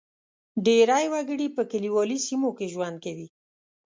ډېری وګړي په کلیوالي سیمو کې ژوند کوي.